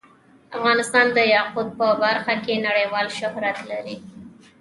افغانستان د یاقوت په برخه کې نړیوال شهرت لري.